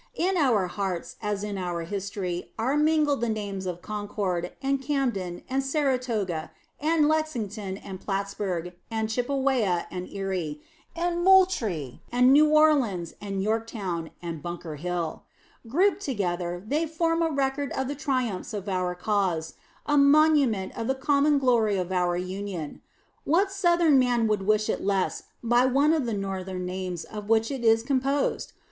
In our hearts, as in our history, are mingled the names of Concord, and Camden, and Saratoga, and Lexington, and Plattsburg, and Chippewa, and Erie, and Moultrie, and New Orleans, and Yorktown, and Bunker Hill. Grouped together, they form a record of the triumphs of our cause, a monument of the common glory of our Union. What Southern man would wish it less by one of the Northern names of which it is composed?